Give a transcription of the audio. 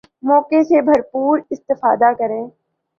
موقع سے بھرپور استفادہ کریں